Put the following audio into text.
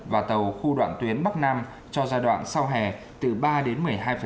và tàu khu đoạn tuyến bắc nam cho giai đoạn sau hè từ ba đến một mươi hai